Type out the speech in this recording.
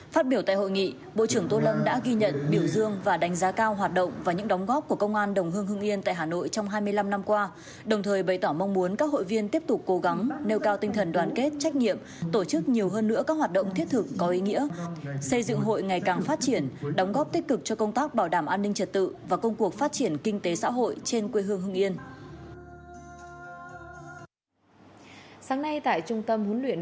phát biểu tại hội nghị bộ trưởng tô lâm đã ghi nhận biểu dương và đánh giá cao hoạt động và những đóng góp của công an đồng hương hưng yên tại hà nội trong hai mươi năm năm qua đồng thời bày tỏ mong muốn các hội viên tiếp tục cố gắng nêu cao tinh thần đoàn kết trách nhiệm tổ chức nhiều hơn nữa các hoạt động thiết thực có ý nghĩa xây dựng hội ngày càng phát triển đóng góp tích cực cho công tác bảo đảm an ninh trật tự và công cuộc phát triển kinh tế xã hội trên quê hương hưng yên